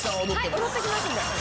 踊っときますんで。